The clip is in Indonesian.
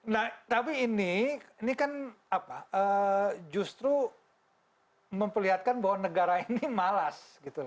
nah tapi ini ini kan apa justru memperlihatkan bahwa negara ini malas gitu